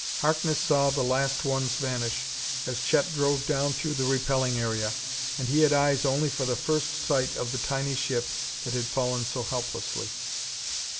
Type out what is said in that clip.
Harkness saw the last ones vanish as Chet drove down through the repelling area. And he had eyes only for the first sight of the tiny ship that had fallen so helplessly.